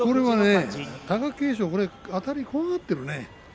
貴景勝、あたりを怖がってるよね。